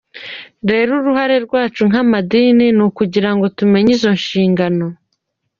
Rero uruhare rwacu nk’amadini ni ukugira ngo tumenye izo nshingano.